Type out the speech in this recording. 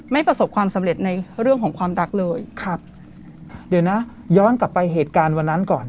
ประสบความสำเร็จในเรื่องของความรักเลยครับเดี๋ยวนะย้อนกลับไปเหตุการณ์วันนั้นก่อน